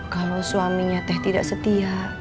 kalau suaminya teh tidak setia